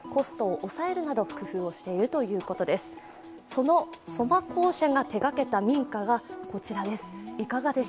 その杣耕社が手がけた民家がこちらです。